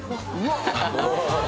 ハハハッ。